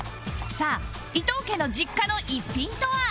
さあ伊藤家の実家の一品とは？